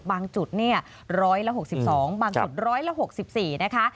บางจุด๑๖๒บางจุด๑๖๔นะคะ